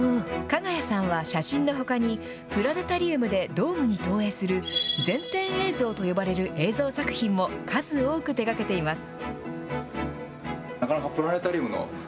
ＫＡＧＡＹＡさんは写真のほかに、プラネタリウムでドームに投影する全天映像と呼ばれる映像作品も、数多く手がけています。